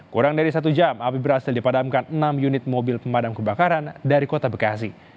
kurang dari satu jam api berhasil dipadamkan enam unit mobil pemadam kebakaran dari kota bekasi